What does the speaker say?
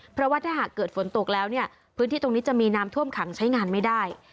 เพราะว่าถ้าหากเกิดฝนตกแล้วเนี่ยพื้นที่ตรงนี้จะมีน้ำท่วมขังใช้งานไม่ได้